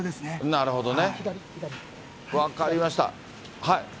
なるほどね。